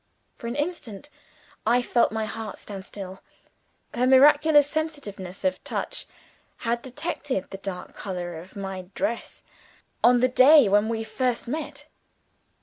For an instant I felt my heart stand still. Her miraculous sensitiveness of touch had detected the dark color of my dress, on the day when we first met.